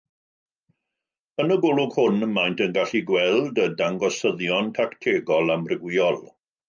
Yn y golwg hwn, maent yn gallu gweld y dangosyddion tactegol amrywiol.